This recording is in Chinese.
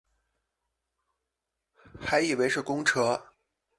还以为是公车